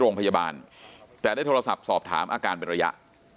โรงพยาบาลแต่ได้โทรศัพท์สอบถามอาการเป็นระยะ